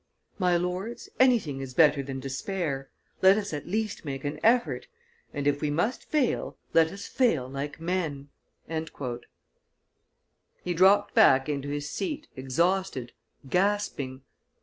... My lords, anything is better than despair; let us at least make an effort, and, if we must fail, let us fail like men!" He dropped back into his seat, exhausted, gasping.